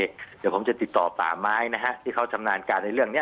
เดี๋ยวผมจะติดต่อป่าไม้นะฮะที่เขาชำนาญการในเรื่องนี้